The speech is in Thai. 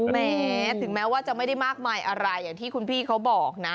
แม้ถึงแม้ว่าจะไม่ได้มากมายอะไรอย่างที่คุณพี่เขาบอกนะ